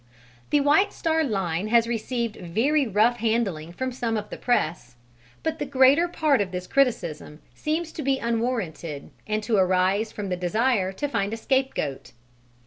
The White Star Line has received very rough handling from some of the press, but the greater part of this criticism seems to be unwarranted and to arise from the desire to find a scapegoat.